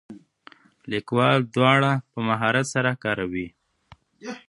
لیکوال دواړه په مهارت سره کاروي.